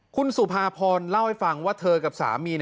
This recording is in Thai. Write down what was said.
คุณสุภาพรเล่าให้ฟังว่าเธอกับสามี